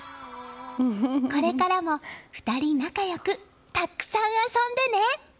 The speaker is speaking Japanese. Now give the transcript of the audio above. これからも、２人仲良くたくさん遊んでね！